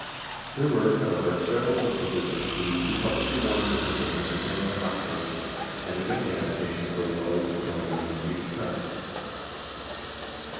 There were, however, several instances of Swedes who publicly warned their countrymen against the Hotspurs and against the agitation for war which was going on in the Swedish Press.